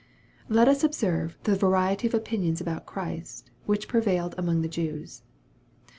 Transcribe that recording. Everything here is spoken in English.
Let us observe the variety of opinions about Christ, which prevailed among the Jews.